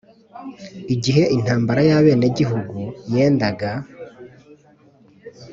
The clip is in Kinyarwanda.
igihe intambara y abenegihugu yagendaga